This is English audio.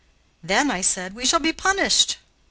"Then," said I, "we shall be punished."